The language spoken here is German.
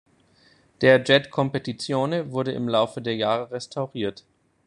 Der Jet Competizione wurde im Laufe der Jahre restauriert.